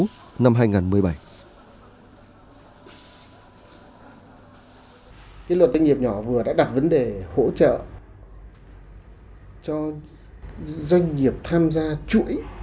cái luật doanh nghiệp nhỏ vừa đã đặt vấn đề hỗ trợ cho doanh nghiệp tham gia chuỗi